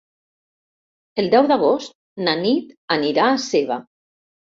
El deu d'agost na Nit anirà a Seva.